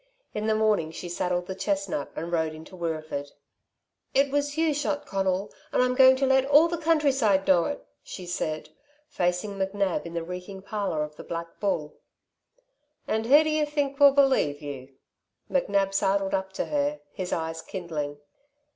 In the morning, she saddled the chestnut and rode into Wirreeford. "It was you shot Conal and I'm going to let all the countryside know it," she said, facing McNab in the reeking parlour of the Black Bull. "And who do y' think will believe you?" McNab sidled up to her, his eyes kindling.